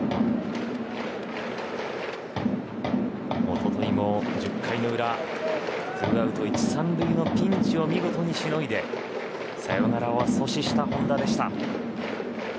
おとといも１０回の裏２アウト１、３塁のピンチを見事にしのいでサヨナラは阻止した本田でした。